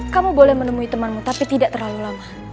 kamu boleh menemui temanmu tapi tidak terlalu lama